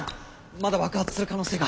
まだ爆発する可能性が。